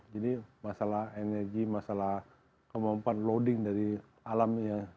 masalah energi masalah kemampuan loading dari alamnya